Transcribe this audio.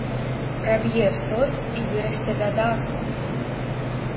Праб'е столь і вырасце да даху.